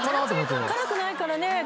辛くないからね。